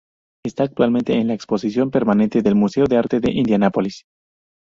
Está actualmente en la exposición permanente del Museo de Arte de Indianapolis.